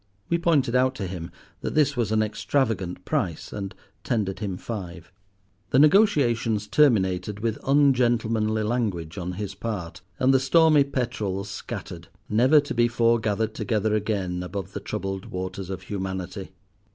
We pointed out to him that this was an extravagant price, and tendered him five. The negotiations terminated with ungentlemanly language on his part, and "The Stormy Petrels" scattered, never to be foregathered together again above the troubled waters of humanity.